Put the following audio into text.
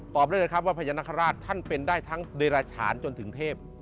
ได้เลยครับว่าพญานาคาราชท่านเป็นได้ทั้งเดราชาญจนถึงเทพ